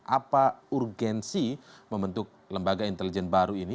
apa urgensi membentuk lembaga intelijen baru ini